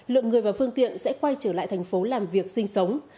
lượng người và phương tiện sẽ quay trở lại thành phố làm việc sinh sống